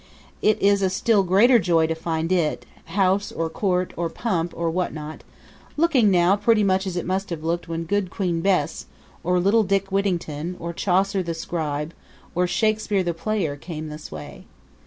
It is a still greater joy to find it house or court or pump or what not looking now pretty much as it must have looked when good Queen Bess, or little Dick Whittington, or Chaucer the scribe, or Shakspere the player, came this way.